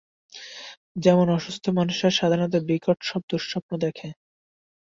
যেমন-অসুস্থ মানুষরা সাধারণত বিকট সব দুঃস্বপ্ন দেখে।